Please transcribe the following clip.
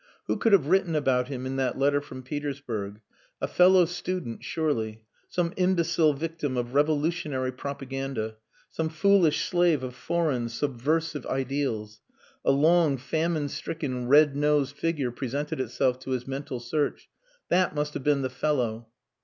Who could have written about him in that letter from Petersburg? A fellow student, surely some imbecile victim of revolutionary propaganda, some foolish slave of foreign, subversive ideals. A long, famine stricken, red nosed figure presented itself to his mental search. That must have been the fellow!